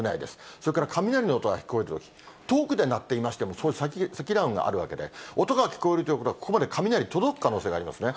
それから雷の音が聞こえたとき、遠くで鳴っていましても、その先に積乱雲があるわけで、音が聞こえるということはここまで雷、届く可能性がありますね。